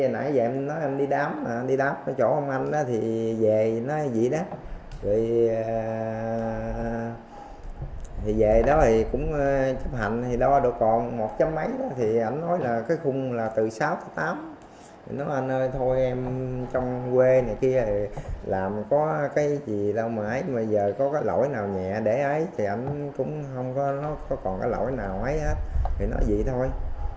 nó không có nó có còn cái lỗi nào ấy hết thì nói gì thôi